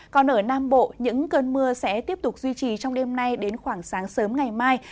còn ở nam bộ những cơn mưa sẽ tiếp tục duy trì trong đêm nay đến khoảng sáng sớm ngày mai